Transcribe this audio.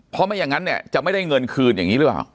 เพราะไม่อย่างนั้นเนี่ยจะไม่ได้เงินคืนอย่างนี้หรือเปล่า